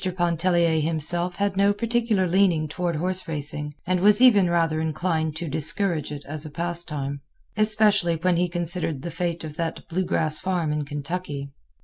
Pontellier himself had no particular leaning toward horseracing, and was even rather inclined to discourage it as a pastime, especially when he considered the fate of that blue grass farm in Kentucky.